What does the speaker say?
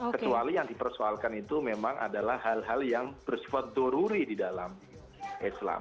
kecuali yang dipersoalkan itu memang adalah hal hal yang bersifat doruri di dalam islam